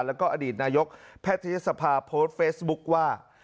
แล้วก็อดีตนายกแพทยศภาโพสต์เฟซบุ๊คว่า